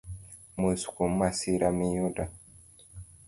Mos kuom masira miyudo